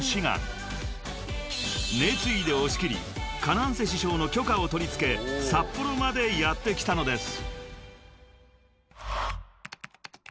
［熱意で押し切りＫａｎａｎｃＥ師匠の許可を取り付け札幌までやって来たのです］